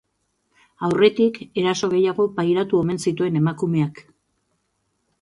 Aurretik eraso gehiago pairatu omen zituen emakumeak.